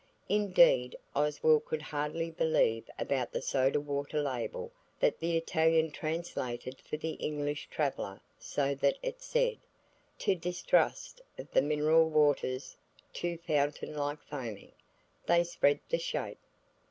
Indeed Oswald could hardly believe about the soda water label that the Italian translated for the English traveller so that it said, "To distrust of the Mineral Waters too fountain like foaming. They spread the shape."